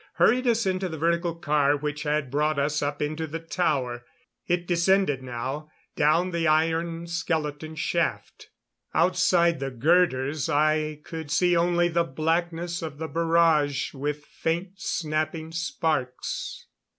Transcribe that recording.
Hurried us into the vertical car which had brought us up into the tower. It descended now, down the iron skeleton shaft. Outside the girders I could see only the blackness of the barrage, with faint snapping sparks.